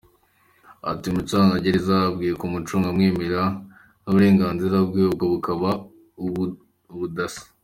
Ati “Umucungagereza akwiye kumucunga amwemerera n’uburenganzira bwe, ubwo bukaba ubudasa.